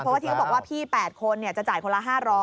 เพราะว่าที่เขาบอกว่าพี่๘คนจะจ่ายคนละ๕๐๐